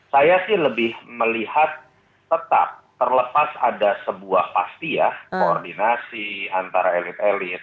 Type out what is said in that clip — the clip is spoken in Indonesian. saya sih lebih melihat tetap terlepas ada sebuah pasti ya koordinasi antara elit elit